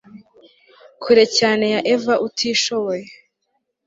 kure cyane ya eva utishoboye